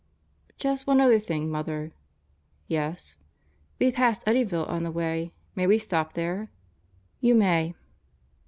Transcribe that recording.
"Just one other thing, Mother." "Yes?" "We pass Eddyville on the way. May we stop there?" "You may."